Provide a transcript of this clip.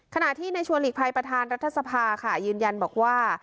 ขณะที่ในชัวร์หลีกภัยประธานรัฐสภาค่ะยืนยันบอกว่า